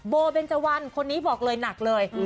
เบนเจวันคนนี้บอกเลยหนักเลย